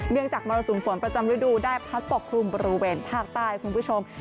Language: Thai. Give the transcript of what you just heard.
จากมรสุมฝนประจำฤดูได้พัดปกครุมบริเวณภาคใต้คุณผู้ชม